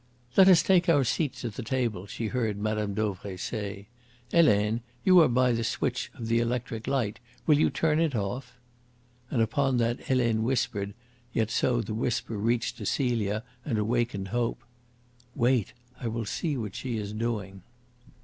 "Let us take our seats at the table," she heard Mme. Dauvray say. "Helene, you are by the switch of the electric light. Will you turn it off?" And upon that Helene whispered, yet so that the whisper reached to Celia and awakened hope: "Wait! I will see what she is doing."